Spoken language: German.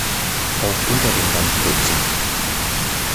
Auch unter dem Rand putzen!